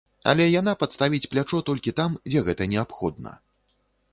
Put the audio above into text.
Але яна падставіць плячо толькі там, дзе гэта неабходна.